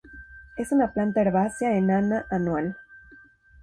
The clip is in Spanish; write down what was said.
Es una planta herbácea enana anual.